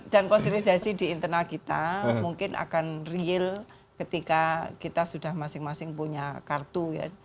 dan konsolidasi di internal kita mungkin akan real ketika kita sudah masing masing punya kartu ya